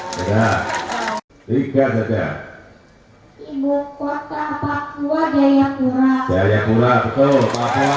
juga saja ibu kota papua jayakura jayakura betul betul